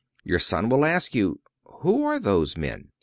Your son will ask you: "Who are those men?"